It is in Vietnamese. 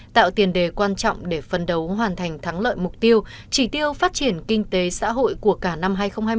tạo tiền đề quan trọng để phân đấu hoàn thành thắng lợi mục tiêu chỉ tiêu phát triển kinh tế xã hội của cả năm hai nghìn hai mươi